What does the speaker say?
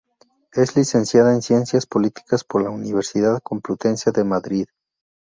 Es licenciada en Ciencias Políticas por la Universidad Complutense de Madrid.